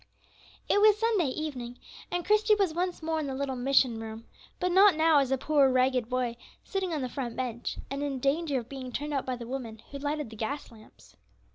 It was Sunday evening, and Christie was once more in the little mission room; but not now as a poor ragged boy, sitting on the front bench, and in danger of being turned out by the woman who lighted the gas lamps.